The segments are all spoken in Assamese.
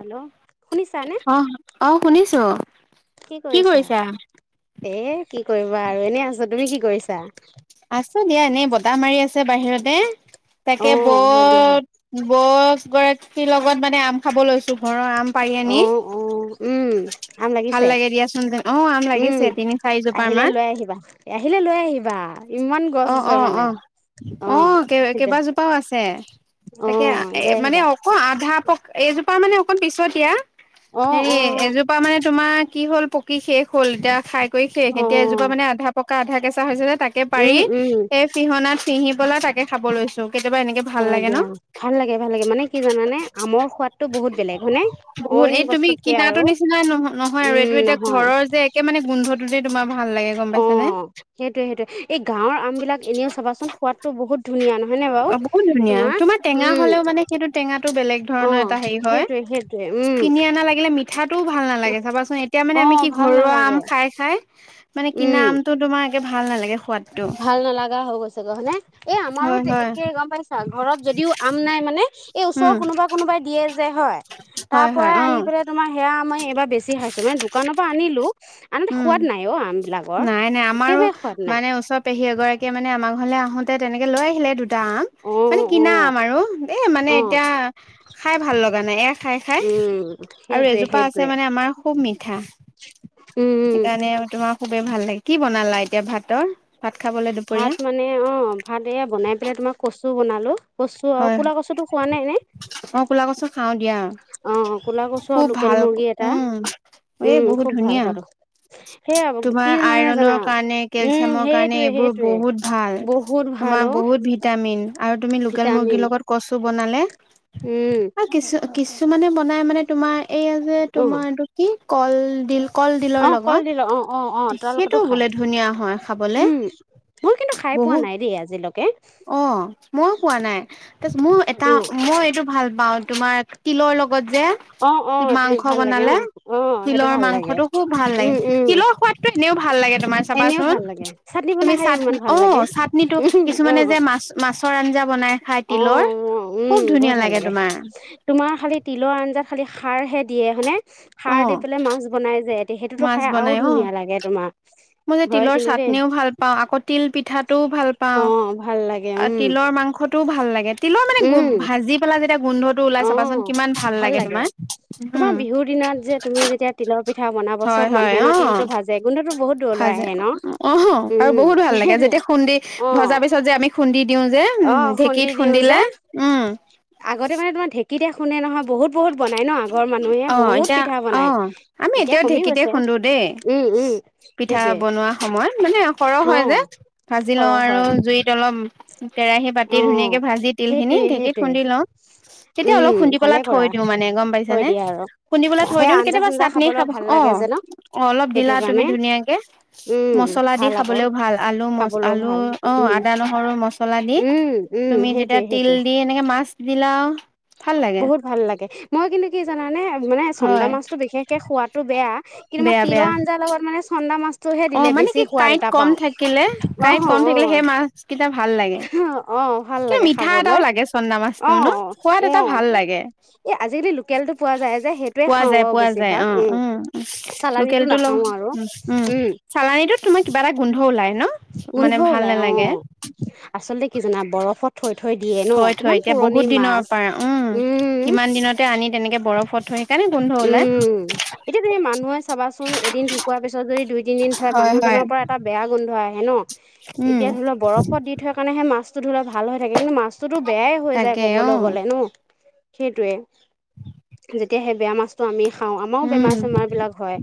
হেল্ল' শুনিছানে অ অ শুনিছ কিয় অ কি কৰিছা এ কি কৰিবা আৰু এনে আছ তুমি কি কৰিছা আছো দিয়া এনেই বতাহ মাৰি আছে বাহিৰতে অ তাকে হয় দিয়া বত বত ইছ গৰাৰ তুতি লগত মানে আম খাব লৈছো ঘৰৰ আম পাৰি অ আনি অ উম আম ভাল লাগিছে লাগে দিয়াচোন যেন অ আম উম লাগিছে তিনি চাৰিজোপাৰ আহিলে মান লৈ আহিবা আহিলে লৈ আহিবা ইমান গছ অ আছে অ মানে অ অ, সেইটোৱে কেইবাজোপাও আছে অ তাকে এ লৈ মানে আহিবা অকল আধা পক এইজোপা মানে অকণ পিছতিয়া অ হেৰি অ এজোপা মানে তোমাৰ কি হল পকি শেষ হ'ল এতিয়া খাই গৈই শেষ অ এতিয়া এজোপা মানে আধা পকা আধা কেঁচা হৈছে যে তা উম পাৰি উম এই পিহনাত পিহিবলৈ তাকে খাব লৈছো। কেতিয়াবা এনেকে ভাল হয় লাগে নহ। দিয়া ভাল লাগে ভাল লাগে মানে কি জানানে আমৰ সোৱাদটো বহুত বেলেগ হয়নে বহুত অইন এই তুমি বস্তুতকে আৰু কিনাটোৰ নিচিনা নহ নহয় আৰু উম এইটো এতিয়া নহয় ঘৰৰ যে একে মানে গোন্ধটো যে তোমাৰ ভাল লাগে গম অ পাইছানে। সেইটোয়ে সেইটোয়ে এই গাঁৱৰ আমবিলাক এনেও চাবাচোন সোৱাদটো বহুত ধুনীয়া নহ অ, বহু ধুনীয়া তোমাৰ টেঙা হলেও মানে সেইটো টেঙাটো বেলেগ অ ধৰণৰ এটা হেৰি হয় সেইটোৱে সেইটোৱে উম কিনি অনা লাগিলে মিঠাটোও ভাল নালাগে চাবাচোন এতিয়া মানে অ আমি কি ভাল ঘৰুৱা আম নালাগে খাই-খাই মানে কিনা উম আমটো তোমাৰ একে ভাল নালাগে সোৱাদ ভাল নালাগা হৈ গৈছে হয়নে এই আমাৰো হয় হয় কেয়ে গম পাইছা ঘৰত যদিও আম নাই মানে এই উম ওচৰৰ কোনোবা-কোনোবাই দিয়ে যে হয় তাৰ হয় হয় পুৱাই অ আনি পেলাই তোমাৰ সেয়া মই এবাৰ বেছি খাইছো মানে দোকানৰ পৰা আনিলো। আনহাতে উম সোৱাদ নাই অ, আমবিলাক। নাই নাই আমাৰো মানে ওচৰ পেহী এগৰাকীয়ে মানে আমাৰ ঘৰলৈ আহোতে তেনেকে লৈ আহিলে দু দুটা আম অ মানে অ কিনা আম আৰু এ অ মানে উম এতিয়া খাই ভাল লগা নাই এক খাই-খাই আৰু সেইটোৱে এজোপা সেইটোৱে আছে মানে আমাৰ খুব মিঠা। উম উম সেই কাৰণে তোমাৰ খুবেই ভাল লাগে, কি বনালা এতিয়া ভাতৰ ভাত খাবলে দুপৰীয়া ভাত মানে অ ভাত এয়া বনাই পেলাই তোমাক কচু বনালো। কচু আৰু হয় কলা কচুতো খোৱা নে এনেই অ ক'লা কচু খাও দিয়া অ কোলা কচু আৰু খুব লোকেল ভাল মুৰ্গী এটা উম এ উম বহুত খুব ভাল ধুনীয়া খোৱাটো। সেয়া তোমাৰ কি মানে আইৰনৰ জানা কাৰণে উম কেলচিয়ামৰ কাৰণে সেইটোৱে এইবোৰ সেইটোৱে বহুত ভাল। বহুত ভাল তোমাৰ অ বহুত ভিটামিন আৰু তুমি লোকেল মুৰ্গীৰ ভিটামিন লগত কছো বনালে উম অ কিছু কিছুমানে বনাই মানে তোমাৰ এইয়া যে অ তোমাৰটো কি কলডিল কলডিলৰ অ লগত কলডিল অ অ অ সেইটো তেওঁলোকেতো খাই বোলে ধুনীয়া হয় খাবলে। উম মই কিন্তু খাই পোৱা বহুত নাই দেই আজিলৈকে। অ মইয়ো পোৱা নাই তাৰ পিছত মোৰ এটা অ মই এইটো ভাল পাওঁ তোমাৰ তিলৰ লগত তিলৰ অ অ লগত যে মাংস ভাল লাগে অ বনালে অ সেইটো তিলৰ ভাল লাগে মাংসটো খুব ভাল লাগে উম উম তিলৰ তিলৰ সোৱাদ এনেও ভাল লাগে তোমাৰ এনেও চাবাচোন ভাল লাগে চাটনি তুমি বনাই খাই চাটনি ইমান ভাল অ লাগে তোমাৰ চাটনি তোমাৰ উম অ কিছুমান অ যে মাছৰ আঞা অ উম বহুত ভাল লাগে তোমাৰ খালি তিলৰ আঞ্জাত খালি খাৰ হে দিয়ে হনে অ সাৰ দি পেলাই মাছ বনাই যায় সিহঁতে সেইটোতো মাছ খাই আৰু বনাই অ ধুনীয়া লাগে তোমাৰ। মই যে হয় তিলৰ কিন্তু দেই চাটনিও ভাল পাওঁ আকৌ তিল পিঠাটোও ভাল পাওঁ। অ ভাল লাগে উম। টো ভাল লাগে। তিলৰ মানে, উম ভাজি পেলাই যেতিয়া গোন্ধটো ওলাই, অ চাবাচোন কিমান ভাল লাগে তোমাৰ। তোমাৰ বিহুৰ যে তুমি যেতিয়া তিলৰ পিঠা বনাব, হয় চব হয় মানুহে ন অ তিলটো ভাজে গোন্ধতো বহুত দূৰলৈ ভাজে আহে ন অ, আৰু উম বহুত ভাল লাগে সেইটোৱে যেতিয়া খুন্দি অ ভজাৰ পিছত যে আমি খুন্দি দিওঁ যে। অ খুন্দি ঢেঁকীত দিওঁ যে, খুন্দিলে উম আগতে মানে তোমাৰ ঢেঁকীতে খুনে নহয় বহুত। বহুত বনাই ন আগৰ মানুহে অ বহুত এতিয়া পিঠা অ বনাই, আমি এতিয়া এতিয়াও কমি ঢেঁকীতে গৈছে খুন্দো দেই উম, উম। পিঠা সেইটোৱে বনোৱা সময়ত মানে সৰহ হয় যে, অ', ভাজি সৰহ লওঁ আৰু হয় জুইত অলপ। কেৰাহী পাতি ধুনীয়াকে অ'। ভাজি তিলখিনি সেইটোৱে ডেকীত সেইটোৱে খুন্দি লও তেতিয়া উম অলপ খুন্দি ভালে পেলাই কৰা থয় দিওঁ মানে গ গম থৈ পাইছানে দিয়া আৰু খুন্দি পেলাই থৈয় সেই দিওঁ আঞ্জা কেতিয়াবা চাঞ্জা চাটনি খাবলৈ খাব ভাল অ লাগে যে ন অলপ সেইটো দিলা তুমি কাৰণে ধুনীয়াকে উম মছলা দি ভাল আকৌ খাবলৈও ভাল আলু মছ খাবলৈও আলু ভাল অ উম আদা নহৰু মচলা দি উম উম তুমি তেতিয়া সেইটোৱে তিল সেইটোৱে দি এনেকে মাছ দিলা ভাল লাগে বহুত ভাল লাগে মই কিন্তু কি জানানে মানে চন্দা হয় মাছতো বিশেষকে খোৱাতো বেয়া কিন্তু মই বেয়া তিলৰ বেয়া আঞ্জাৰ লগত মানে চন্দা মাছ টোহে অ দিলে মানে বেছি কি সোৱাদ কাঁইট এটা কম পাওঁ থাকিলে কাঁইট আহ কম থাকিলে সেই মাছ কেইটা ভাল লাগে আহ অ অ ভাল কিন্তু লাগে মিঠা এটাও খাবলৈ লাগে চন্দা মাছটো ন আহ সোৱাদ অ এটা আহ ভাল লাগে এ আজিকালি লোকেলটো পোৱা যায় যে সেইটোয়ে পোৱা খাওঁ যায় বাও পোৱা বেছি যায় ভাগ, অ উম চালানীটো লোকেলটো নাখাও। আৰু উম, এইটো তোমা কিবা এটা গোন্ধ ওলাই। ন গোন্ধ মানে ভাল ওলাই অ নালাগে আচলতে কি জানা বৰফত, থৈ থৈ দিয়ে ন থৈ থৈ কিমান এতিয়া পুৰণি বহুত দিনৰ মাছ পৰা উম কিমান দিনতে আনি তেনেকে বৰফত থৈ সেইকাৰণে গোন্ধ ওলায়। উম এতিয়া তুমি মানুহে চাবাচোন এদিন ঢুকোৱাৰ পিছত যদি দুই তিনিদিন থয় হয় হয় মানুহজনৰ পৰা এটা বেয়া গোন্ধ আহে। এ ন উম এতিয়া ধৰি লোৱা বৰফত দি থৈ কাৰণেহে মাছটো ধৰি লোৱা ভাল হৈ থাকে কিন্তু মাছ বস্তুটো বেয়াই হৈ যায় তাকে অ ক'বলৈ গলে ন সেইটোয়ে যেতিয়া সেই বেয়া মা আমি খাওঁ আমাৰো উম বেমাৰ চেমাৰ বিলাক হয়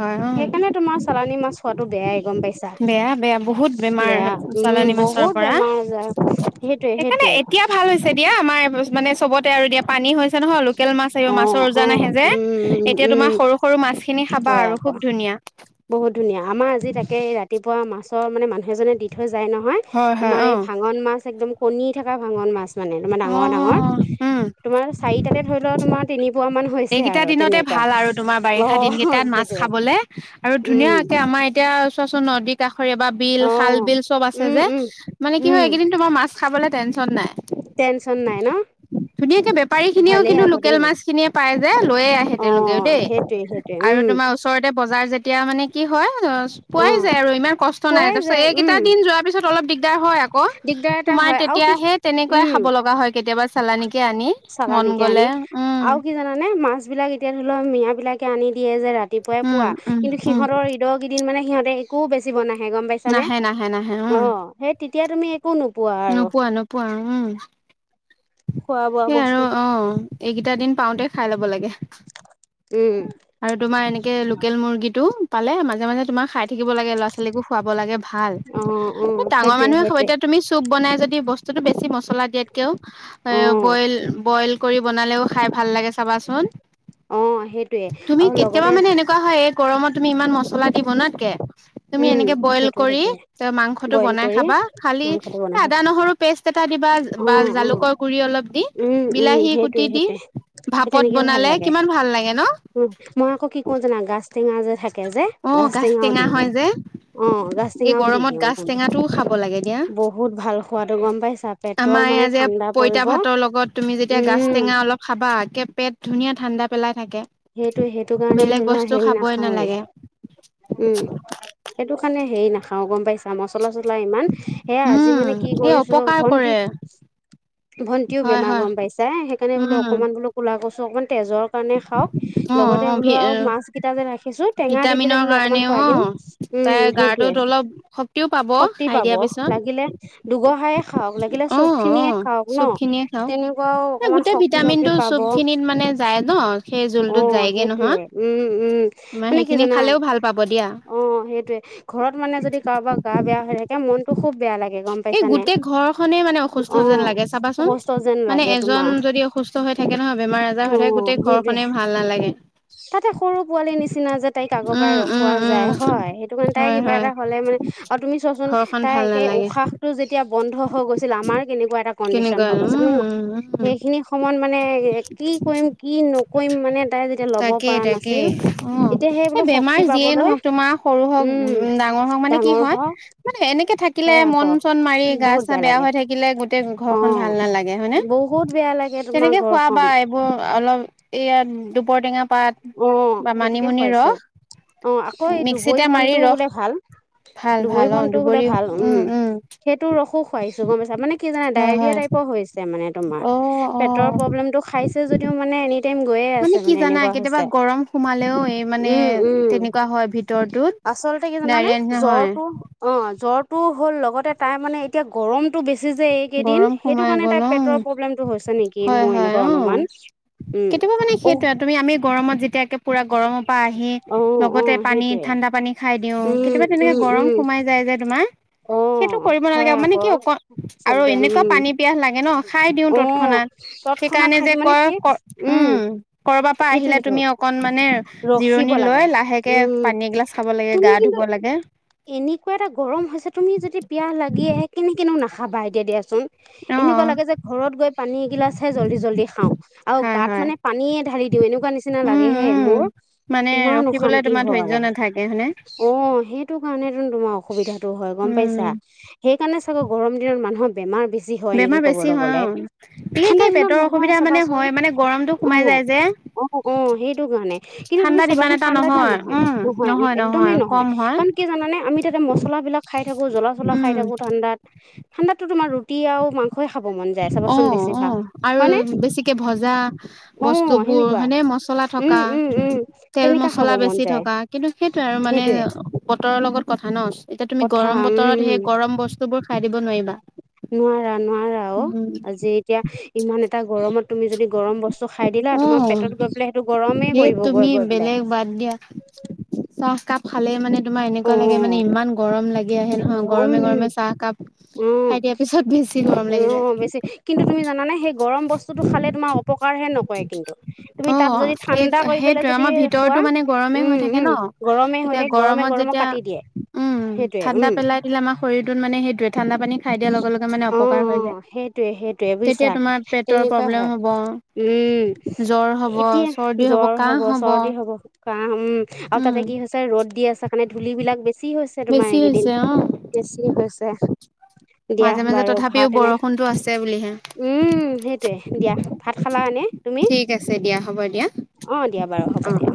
হয় অ সেইকাৰণে তোমাৰ চালানি মাছত বেয়াই গম পইচা বেয়া বেয়া বহুত বেমাৰ বেয়া উম চালানী মাছৰ বহুত পৰা বেমাৰ আজাৰ সেইটোৱে সেইকাৰণে সেইটোৱে। এতিয়া ভাল হৈছে দিয়া আমাৰ মানে চবতে আৰু দিয়া পানী হৈছে নহয় লোকেল মাছ অ মাছৰ অ ওজান আহে যে উম উম এতিয়া তোমাৰ উম সৰু সৰু মাছ খিনি খাবা হয় আৰু আকৌ খুব ধুনীয়া বহুত ধুনীয়া আমাৰ আজি তাকে ৰাতিপুৱা মাছৰ মানে মানুহ এজনে দি থৈ যায় নহয় হয় হয় তোমাৰ অ এই ভাঙন মাছ একদম কণী থকা ভাঙন মাছ। মানে তোমাৰ অ ডাঙৰ ডাঙৰ উম তোমাৰ চাৰিটাতে ধৰি লও তোমাৰ তিনি পুৱা মান হৈছে এইকেইটা আৰু তেনেকুৱা অ তাত মাছ সেইটোৱে খাবলে আৰু উম ধুনীয়াকে আমাৰ এতিয়া চোৱাচোন নদীত খৰিয়াবা বিল অ খাল বিল চব আছে উম যে উম মানে কি উম হয় এইকেইদিন তোমাৰ মাছ খাবলে টেনচন নাই। টেনচন নাই ন। ধুনীয়াকে বেপাৰী খিনিও ভালেই কিন্তু আকৌ লোকেল দেই মাছ খিনিয়ে পাই। যে লৈয়ে আহে অ তেওঁলোকেও দেই সেইটোৱে সেইটোৱে আৰু উম তোমাৰ ওচৰতে বজাৰ যেতিয়া মানে কি হয় অ পোৱাই যায় আৰু ইমান কষ্ট নাই, পোৱাই তাৰপিছত যায় উম এইকেইটা দিন যোৱাৰ পিছত অলপ দিক দিগাৰ হয় আক, দিগদাৰ এটা তোমাৰ হয় আৰু তেতিয়া কি সেই তেনেকুৱাই উম খাব লগা হয় কেতিয়াবা চালানিকে আনি মন চালানিকে আনি, গলে উম আৰু কি জানানে? মাছ বিলাক এতিয়া ধৰি লোৱা মিয়া বিলাকে আনি দিয়ে যে ৰাতিপুৱাই উম পুৱা, উম কিন্তু উম সিহঁতৰ ঈদৰ কেইদিন মানে সিহঁতে একো বেছিব নাহ হে গম পাইছা নে? নাহে নাহে নাহে উম অ সেই তেতিয়া তুমি একো নো নোপোৱা নোপোৱা উম, খোৱা বোৱা সেই আৰু বস্তু অহ। এইকেইটা দিন পাওঁতে খায় লব লাগে। উম আৰু তোমাৰ এনেকে লোকেল মুৰ্গীটো পালে মাজে মাজে তোমাৰ খায় থাকিব লাগে ল'ৰা ছোৱালীকো খুৱাব লাগে ভাল, অ অ এ ডাঙৰ সেইটোৱে মানুহে সেইটোৱে এতিয়া তুমি চুপ বনাই যদি বস্তুটো বেছি মছলা দিয়াতকেও এ অ বইল বইল কৰি বনালেও খায় ভাল লাগে চাবাচোন, অ সেইটোৱে তুমি আৰু কেতিয়াবা লগতে মানে এনেকুৱা হয় গৰমত তুমি ইমান মছলা দি বনাতকে তুমি উম এনেকে বইল সেইটোৱে কৰি সেইটোৱে মাংসটো বইল বনাই কৰি খাবা, খালি মাংসটো এ বনোৱা হয় আদা নহৰু পেষ্ট এটা দিবা অ বা অ জালুকৰ গুৰি অলপ দি উম উম বিলাহী সেইটোৱে কুটি দি সেইটোৱে সেই ভাপত তেনেকেও ভাল বনালে লাগে কিমান ভাল লাগে ন উম মই আকৌ কি কৰো জানা গাজ টেঙা যে থাকে যে অ গাছ গাজ টেঙাও টেঙা দি হয় দিওঁ যে অ এই গাচটেঙাও দি গৰমত দিওঁ গাজ তুমি টেঙাটোও খাব লাগে দিয়া। বহুত ভাল খোৱাতটো গম পাইছা পেটৰ আমাৰ মানে এইয়া যে ঠাণ্ডা পইতা পৰিব ভাতৰ লগত তুমি যেতিয়া গাছ উম টেঙা অলপ খাবা একে পেট ধুনীয়া ঠাণ্ডা পেলাই থাকে সেইটোৱে সেইটো কাৰণে বেলেগ ধৰি লোৱা বস্তু হেৰি খাবই নাখাওৱে। নালাগে উম সেইটো কাৰণে হেৰি নাখাও গম পাইছা মচ চলা চলা ইমান সেয়া আজি উম মানে কি এই কৰিছো অপকাৰ কৰে ভণ্টিৰ ভন্টিও হয় বেমাৰ হয় গম পাইছে, সেইকাৰণে বোলো উম অকণমান বোলো ক'লা কচু অকণমান তেজৰ কাৰণে খাও। অ অ ভ ৰাখিছো টেঙা দি পেলাই ভিটামিনৰ বোলো অকমান কাৰণে খুৱাই অ দিম উম তাই সেইটোয়ে গাৰটোত অলপ শক্তিও পাব শক্তি খাই পাব দিয়াৰ লাগিলে দুগহায়ে পিছত খাওক লাগিলে অ চব অ খিনিয়ে খাওক ন চুব খিনিয়ে খাওঁ তেনেকুৱাও অকমান গোটেই শক্তি চক্তি ভিটামিনটো পাব চুব খিনিত মানে যায় ন সেই অ জোলটোত যায়গে নহয় সেইটোয়ে উম উম তোমাৰ মানে কি সেইখিনি জানা খালেও ভাল পাব দিয়া অ সেইটোৱে ঘৰত মানে যদি কাৰোবাৰ গা বেয়া হৈ থাকে মনতটো খুব বেয়া লাগে গম এই পাইছানে গোটেই ঘৰখনেই মানে অসুস্থ অ যেন লাগে চাবাচোন অসুস্থ যেন মানে লাগে এজন তোমাৰ যদি অসু সুস্থ হৈ থাকে নহয় বেমাৰ আজাৰ অ হৈ থাকে গোটেই সেইটোয়ে ঘখনে ভাল নালাগে। তাতে সৰু পোৱালীৰ নিচিনা যে তাইক আগৰ পৰাই উম উম ৰখোৱা উম যায় হয় সেইটো কাৰণে তাই হয় কিবা হয় এটা হ'লে মানে আৰু তুমি চোৱাচোন ঘৰখন তাই ভাল একে নালাগে। উশাহটো যেতিয়া বন্ধ হৈ গৈছিল আমাৰ কেনেকুৱা এটা কণ্ডিশন কেনেকুৱা হৈ গৈছে ন উম উম উম সেইখিনি সময়ত মানে কি কৰিম কি ন তাকে তাকে অ এতিয়া সেই এই বোলো বেমাৰ শক্তি যিয়েই পাবলৈ নহওক তোমাৰ সৰু হওক উ উম ডাঙৰ হওক মানে কি ডাঙৰ হয় হওক মানে এনেকে থাকিলে হয় কন আকৌ চন মাৰি গা বহুত চা বেয়া লাগে হৈ থাকিলে গোটেই অ ঘৰখন ভাল নালাগে হয় ন বহুত বেয়া লাগে তোমাৰ তেনেকে খোৱাবা ঘৰখন এইবোৰ অলপ এইয়াত দুপৰটেঙা পাত অ বা সেইটোকে মানিমুনি খুৱাইছো ৰস অ আকৌ এই মিক্সিতে দুবৰি মাৰি মনটো ৰস বোলে ভাল ভাল দুবৰী ভাল অ বনতটো বোলে দুবৰি ভাল উম সেইটো ৰসো খুৱাইছো গম পাইছা মানে কি জানে হয় ডায়েৰয়া হয় টাইপ হৈছে মানে তোমাৰ অ অ পেটৰ প্ৰব্লেমটো খাইছে যদিও মানে এনি টাইম গৈয়ে আছে মানে কি জানা এনেকুৱা কেতিয়াবা হৈছে গৰম সোমালেও এই মানে উম উম তেনেকুৱা হয় ভিতৰৰতত আচলতে কি জানানে জ্বৰ টো অ জ্বৰ টো হ'ল লগতে তাই মানে এতিয়া গৰমতটো বেছি যে এইকেইদিন গৰম সেইটো সোমাই কাৰণে তাই গ'ল অ পেটৰ প্ৰব্লেমটো হৈছে নেকি হয় মোৰ হয় এনেকুৱা অ অনুমান কেতিয়াবা মানে অঁ সেইটোে তুমি আমি গৰমত যেতিয়াাকে পুৰা গৰমৰ পৰা আহ অঁ লগতে অঁ পানীত সেইটোৱে ঠাণ্ডা পানী খাই দিও কেতিয়াবা তেনেকে গৰম সোমাই যায় যে তোমাৰ অঁ সেইটো কৰিব নালাগে হয় মানে কি আকৌ অকল আৰু আচলতে এনেকুৱা পানী পিয়াহ লাগে ন খাই দিও অঁ তৎক্ষণাত তৎক্ষণাত সেইকাৰণে খাই যে দিওঁ মানে কয় কি উম কৰবাৰ পৰা সেইটো আহিলে সেইটো তুমি অকনমান মানে ৰখিব জিৰণি লাগে লৈ লাহেকে উম পানী এগিলাচ খাব লাগে তুমি গা কিন্তু ধুব লাগে। এনেকুৱা এটা গৰম হৈছে তুমি যদি পিয়াহ লাগি আহে কেনেকে নো নাখাবা ই দিয়াচোন, অ এনেকুৱা লাগে যে ঘৰত গৈ পানী এগিলাছে জল্দি-জল্দি খাওঁ। আৰু হয় গাত হয় মানে পানীয়ে ঢালি দিওঁ এনেকুৱা নিচিনা উম লাগে হে। উম মোৰ মানে ইমান ৰখিবলৈ অশান্তি তোমাৰ ধৈৰ্য্য হয়, নাথাকে হয়নে অ সেই টো কাৰণেতো তোমাৰ অসুবিধাতটো হয় গম উম পাইছা, সেই কাৰণে চাগে গৰম দিনত মানুহৰ বেমাৰ বেছি হয় নেকি বেমাৰ বেছি কবলৈ হয় গ'লে, অ ঠাণ্ডা বিশেষকে দিনত পেটৰ নহয় অসুবিধা মানে চাবাচোন, হয় মানে গৰমটো অ। সোমাই যায় যে অ অ সেইটো টো কাৰণে কিন্তু তুমি ঠাণ্ডাত ইমান চাবাচোন এটা ঠাণ্ডা দিনত নহয়, উম নহয় একদমে নহয় কম হয় কাৰণ কি জানে আমি তাতে মচলা বিলাক খাই থাকো জ্বলা-চলা খাই উম থাকো ঠাণ্ডাত, ঠাণ্ডাতো তোমাৰ আৰু মাংসই খাব মন যায় অ চাবাচোন অ বেছিভাগ আৰু হয়নে বেছিকে ভজা অ বস্তু বোৰ সেনেকুৱা হয়নে মচলা উম থকা। উম উম তেল তেনেকা খাব মছলা মন বেছি যায় থকা কিন্তু সেইটোয়ে আৰু মানে সেইটোৱে বতৰৰ লগত কথা ন। এতিয়া তুমি কথা গৰম বতৰত উম সেই গৰম বস্তুবোৰ খাই দিব নোৱাৰিবা। নোৱাৰা নোৱাৰা অ উম, আজি এতিয়া ইমান এটা গৰমত তুমি যদি গৰম বস্তু তু খাই দিলা অ তোমাৰ পেটত গৈ পেলাই সেইটো গৰমেই সেই কৰিব তুমি গৈ গৈ পেলাই। বেলেগ বাদ দিয়া চাহ একাপ খালে মানে তোমাৰ অ এনেকুৱা লাগে মানে ইমান গৰম লাগ আহে নহয় গৰম গৰমে গৰমে চাহ কাপ, উম খাই দিয়াৰ পিছত বেছি গৰম লাগি যায়। অঁ বেছি কিন্তু তুমি জানেনে সে গৰম বস্তুতটো খালে তোমাৰ অপকাৰহে নকৰে কিন্তু, তুমি অ তাত যদি এই ঠাণ্ডা কৰি পেলাই সেইটোৱে যদি আমাৰ ভিতৰতো খোৱা মানে গৰমে হৈ উম থাকে উম ন গৰমে হৈ এতিয়া থাকে গৰমে গৰমত গৰমে যেতিয়া কাটি দিয়ে, উম সেইট ঠাণ্ডা পেলাই দিলেমাৰ শীৰটোত মানে সেইোৱে। ঠাণ্ডা পানী খাই দিয়াৰ লগে লগে মানে অঁ অপকাৰ হৈ অঁ যায়, সেইটোৱে সেইটোৱে তেতিয়া বুজিছা তোমাৰ। পেটৰ তেনেকুৱা প্ৰব্লেম হয় হ'ব, উম জ্বৰ হ'ব, এতিয়া চৰ্দি হ'ব, জ্বৰ কাহ হ'ব। চৰ্দি উম তাতে কি হৈছে ৰ'দ দি আছে কাৰণে ধূলি বিলাক বেছি হৈছে তোমাৰ বেছি এইকেইদিন। হৈছে অ বেছি হৈছে। দিয়া মাজে মাজে বাৰু ভাত তথাপিও এনে বৰষুণতো আছে বুলিহে। উম সেইটোৱে দিয়া ভাত খালা এনে তুমি, ঠিক আছে দিয়া হ'ব দিয়া অ দিয়া বা- ব হ'ব অ অ দিয়া।